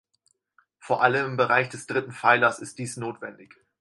Vor allem im Bereich des dritten Pfeilers ist dies notwendig.